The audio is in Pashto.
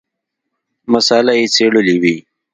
مساله یې څېړلې وي.